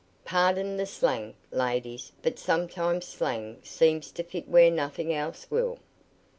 "Pardon the slang, ladies, but sometimes slang seems to fit where nothing else will."